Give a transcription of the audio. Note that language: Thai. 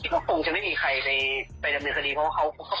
เพราะฉะนั้นอย่างนี้ไม่ได้มีเสียตนาหรอกลง